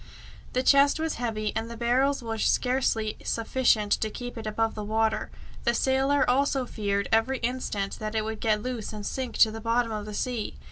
The chest was heavy, and the barrels were scarcely sufficient to keep it above water. The sailor also feared every instant that it would get loose and sink to the bottom of the sea.